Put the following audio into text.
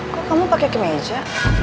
kok kamu pake kemeja